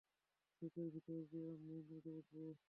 ঝোপের ভেতর দিয়ে ও মেইন রোডে উঠবে।